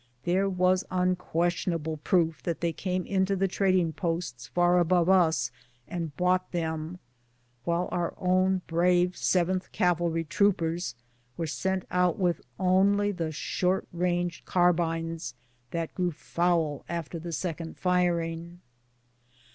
There was unquestionable proof frhat they came into the trading posts far above us and bought them, while our own brave 7th Cavalry troopers were sent out with only the short range carbines that grow foul after the second firing.